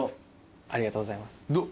ありがとうございます。